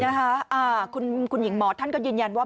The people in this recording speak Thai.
นี่แหละฮะอ่าคุณคุณหญิงหมอท่านก็ยืนยันว่า